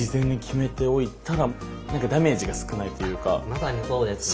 まさにそうですね。